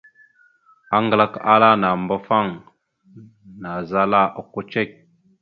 Aŋglak ala nàambafaŋ naazala okko cek.